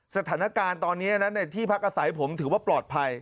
สถานการณ์ตอนนี้ในที่พักอาศัยผมถือว่าปลอดภัย